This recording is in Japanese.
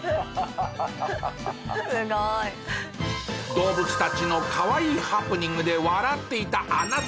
動物たちの可愛いハプニングで笑っていたあなた。